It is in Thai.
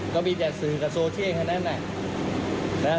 ก็มีแต่สื่อกับโซเชียลแค่นั้น